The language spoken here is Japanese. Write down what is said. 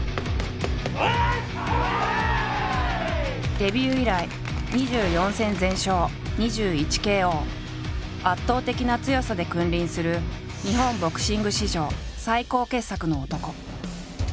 デビュー以来圧倒的な強さで君臨する日本ボクシング史上最高傑作の男。